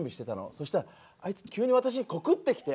そしたらあいつ急に私に告ってきて。